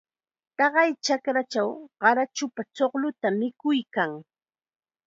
Taqay chakrachaw qarachupam chuqlluta mikuykan.